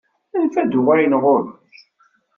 Anef ad d-uɣaleɣ ɣur-k.